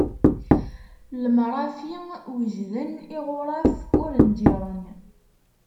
Lemrafi wejden, iɣuṛaf ur nǧiṛen!